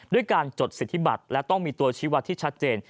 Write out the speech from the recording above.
ด้วยการจดสิทธิบัตรและต้องมีตัวชีวัตรที่ชัดเจน